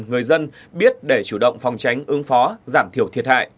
người dân biết để chủ động phòng tránh ứng phó giảm thiểu thiệt hại